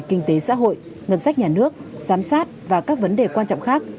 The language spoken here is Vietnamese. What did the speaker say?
kinh tế xã hội ngân sách nhà nước giám sát và các vấn đề quan trọng khác